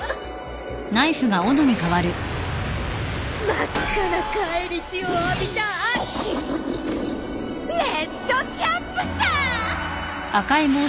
真っ赤な返り血を浴びた悪鬼レッドキャップさ！